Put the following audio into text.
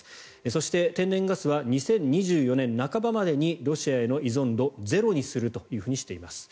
そして、天然ガスは２０２４年半ばまでにロシアへの依存度をゼロにするとしています。